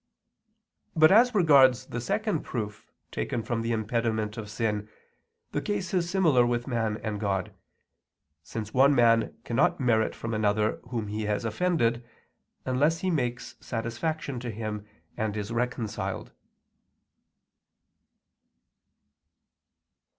But as regards the second proof taken from the impediment of sin, the case is similar with man and God, since one man cannot merit from another whom he has offended, unless he makes satisfaction to him and is reconciled.